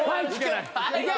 いけ！